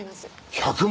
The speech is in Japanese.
１００万！？